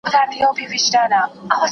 ښځي ته د زړه حال مه وايه.